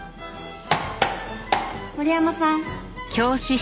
森山さん。